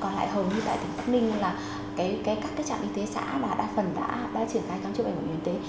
còn lại hầu như tại tỉnh bắc ninh là các trạm y tế xã mà đa phần đã triển khai khám chữa bệnh bảo hiểm y tế